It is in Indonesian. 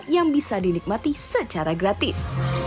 yang bisa dinikmati secara gratis